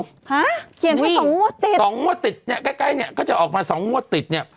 ฮะเขียนก็๒มวตติดนี่ใกล้ก็จะออกมา๒มวตติด